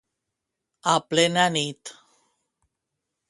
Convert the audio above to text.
A plena nit.